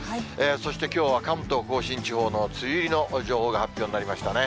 そして、きょうは関東甲信地方の梅雨入りの情報が発表になりましたね。